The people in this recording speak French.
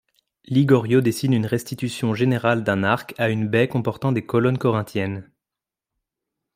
Ligorio dessine une restitution générale d'un arc à une baie comportant des colonnes corinthiennes.